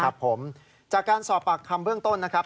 ครับผมจากการสอบปากคำเบื้องต้นนะครับ